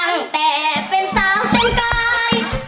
ตั้งแต่เป็นสาวเสมอใกล้